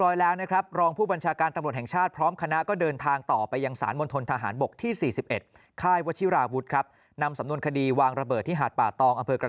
จากการรวมพยานหลักฐานจำนวนมากเบื้องต้นณขณะนี้คือมั่นใจว่าผู้ต้องสงสัยทั้งสองคน